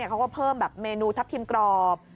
เขาก็เพิ่มแบบเมนูทัพทิมกรอบ